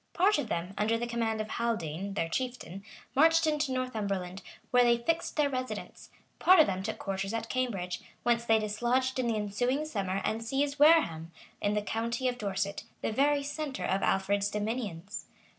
Part of them, under the command of Haldene, their chieftain,[] marched into Northumberland, where they fixed their residence; part of them took quarters at Cambridge, whence they dislodged in the ensuing summer and seized Wereham, in the county of Dorset, the very centre of Alfred's dominions.